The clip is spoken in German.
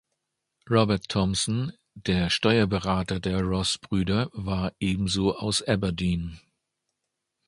Robert Thomson, der Steuerberater der Ross-Brüder war ebenso aus Aberdeen.